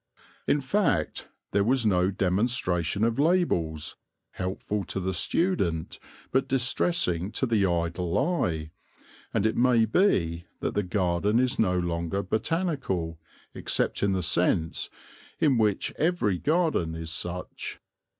In fact, there was no demonstration of labels, helpful to the student but distressing to the idle eye, and it may be that the garden is no longer botanical, except in the sense in which every garden is such.